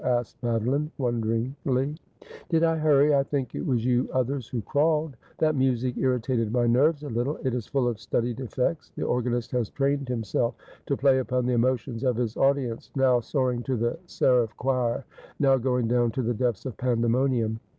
asked Madeline wonder ingly. ' Did I hurry ? I think it was you others who crawled. That music irritated my nerves a little. It is full of studied effects ; the organist has trained himself to play upon the emo tions of his audience, now soaring to the seraph choir, now going down to the depths of Pandemonium.